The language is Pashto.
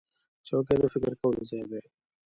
چوکۍ د فکر کولو ځای دی.